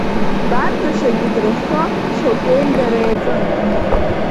Бардушьагьы дрыххо шьоук иеимдара иаҿын.